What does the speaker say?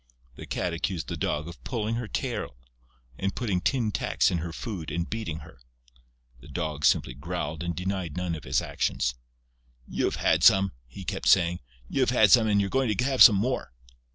The Cat accused the Dog of pulling her tail and putting tin tacks in her food and beating her. The Dog simply growled and denied none of his actions: "You've had some," he kept saying, "you've had some and you're going to have some more!"